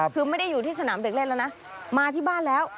คือไม่ได้อยู่ที่สนามเด็กเล่นแล้วนะมาที่บ้านแล้ว